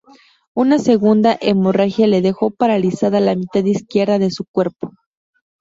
Una segunda hemorragia le dejó paralizada la mitad izquierda de su cuerpo.